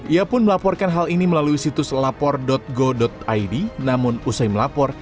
ia pun melaporkan hal ini melalui situs lapor go id namun usai melapor